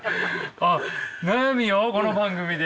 あっ悩みをこの番組で？